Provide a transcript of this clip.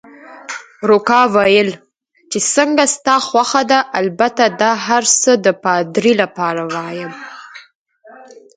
روکا وویل: چې څنګه ستا خوښه ده، البته دا هرڅه د پادري لپاره وایم.